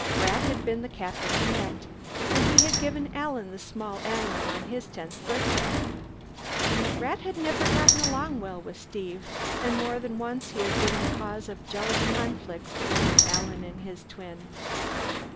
Rat had been the Captain's pet, and he had given Alan the small animal on his tenth birthday. Rat had never gotten along well with Steve, and more than once he had been the cause of jealous conflicts between Alan and his twin.